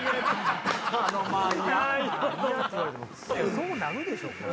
そうなるでしょ？